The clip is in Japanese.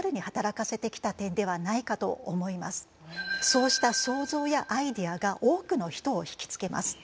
そうした想像やアイデアが多くの人を引き付けます。